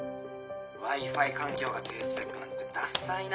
Ｗｉ−Ｆｉ環境が低スペックなんてダサいな。